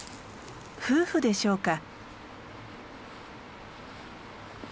夫婦でしょうか。